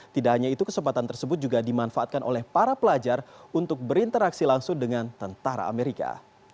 tidak hanya itu kesempatan tersebut juga dimanfaatkan oleh para pelajar untuk berinteraksi langsung dengan tentara amerika